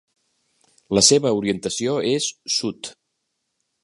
La seva orientació és Sud.